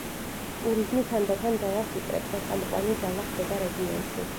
ტურიზმი თანდათან ძალას იკრებს და წამყვანი ძალა ხდება რეგიონში.